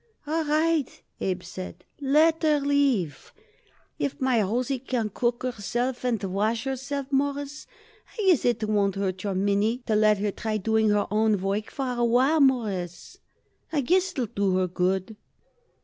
"All right," Abe said, "let her leave. If my Rosie can cook herself and wash herself, Mawruss, I guess it won't hurt your Minnie. Let her try doing her own work for a while, Mawruss. I guess it'll do her good."